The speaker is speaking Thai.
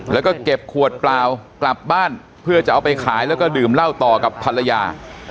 แล้วก็เก็บขวดเปล่ากลับบ้านเพื่อจะเอาไปขายแล้วก็ดื่มเหล้าต่อกับภรรยา